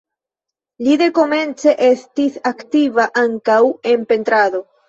Li dekomence estis aktiva ankaŭ en pentrado.